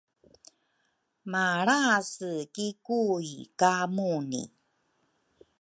malrase ki Kui ka Muni.